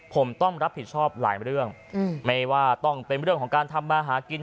ผมต้องรับผิดชอบหลายเรื่องไม่ว่าต้องเป็นเรื่องของการทำมาหากิน